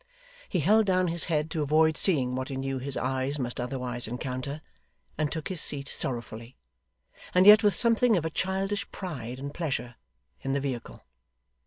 He held down his head to avoid seeing what he knew his eyes must otherwise encounter, and took his seat sorrowfully, and yet with something of a childish pride and pleasure, in the vehicle.